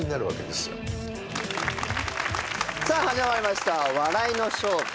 さあ始まりました「笑いの正体」